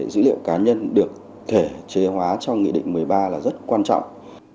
dữ liệu cá nhân được thể chế hóa trong nghị định một mươi ba là rất quan trọng